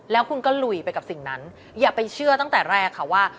แล้วคุณก็ลุยไปกับสิ่งนั้นอย่าไปเชื่อตั้งแต่แรกค่ะว่า